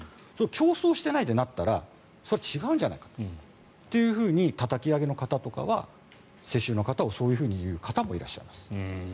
競争してないでなったらそれは違うんじゃないかってたたき上げの方とかは世襲の方をそういうふうに言う方もいらっしゃいます。